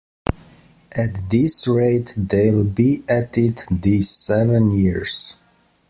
At this rate they'll be at it these seven years.